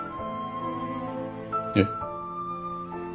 えっ？